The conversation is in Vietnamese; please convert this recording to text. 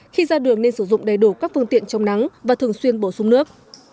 khi ra đường nên sử dụng đầy đủ các phương tiện trong nắng và thường xuyên bổ sung nước